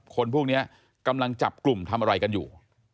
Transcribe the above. คนพวกนี้กำลังจับกลุ่มทำอะไรกันอยู่